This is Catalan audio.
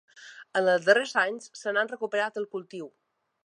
En els darrers anys se n’ha recuperat el cultiu.